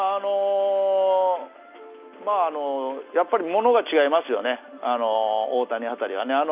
ものが違いますよね、大谷辺りはね。